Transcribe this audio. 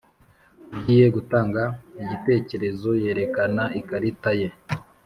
ugiye gutanga igitekerezo yerekana ikarita ye